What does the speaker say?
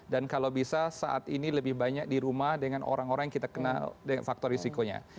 dan kalau bisa saat ini lebih banyak di rumah dengan orang orang yang kita kenal dengan faktor risikonya